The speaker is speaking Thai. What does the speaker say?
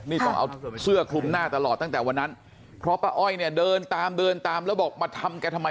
นี่ต้องเอาเสื้อคลุมหน้าตลอดตั้งแต่วันนั้นเพราะป้าอ้อยเนี่ยเดินตามเดินตามแล้วบอกมาทำแกทำไม